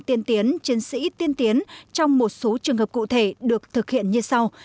tiên tiến chiến sĩ tiên tiến trong một số trường hợp cụ thể được thực hiện như sau